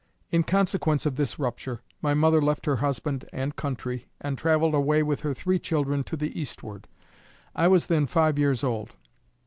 In consequence of this rupture, my mother left her husband and country, and travelled away with her three children to the eastward. I was then five years old.